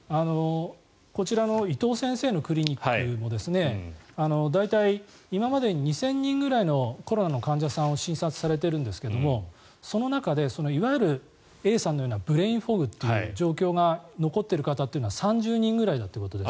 こちらの伊藤先生のクリニックも大体、今まで２０００人ぐらいのコロナの患者さんを診察されているんですがその中でいわゆるＡさんのようなブレインフォグという状況が残っている方というのは３０人ぐらいということです。